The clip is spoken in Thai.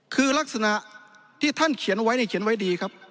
คือลักษณะที่ท่านเขียนไว้เขียนไว้ดีครับ